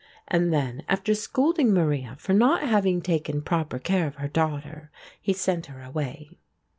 And then, after scolding Maria for not having taken proper care of her daughter, he sent her away.